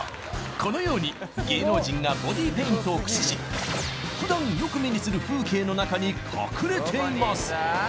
このように芸能人がボディーペイントを駆使し普段よく目にする風景の中に隠れています